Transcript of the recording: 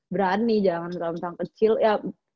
berani jangan misalnya kecil ya